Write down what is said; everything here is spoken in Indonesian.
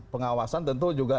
pengawasan tentu juga